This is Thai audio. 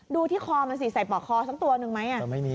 ดูที่คอมันสิใส่ปอกคอสักตัวหนึ่งไหม